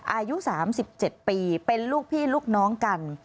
อายุ๓๗ปีเป็นลูกพี่ลูกน้องกัน